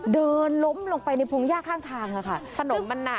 เดินล้มลงไปในพงหญ้าข้างทางค่ะค่ะ